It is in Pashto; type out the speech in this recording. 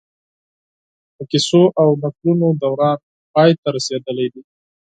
د کيسو او نکلونو دوران پای ته رسېدلی دی